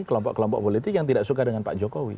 kelompok kelompok politik yang tidak suka dengan pak jokowi